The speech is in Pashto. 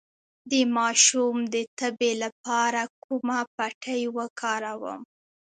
د ماشوم د تبې لپاره کومه پټۍ وکاروم؟